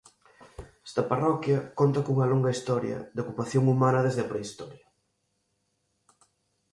Esta parroquia conta cunha longa historia de ocupación humana desde a prehistoria.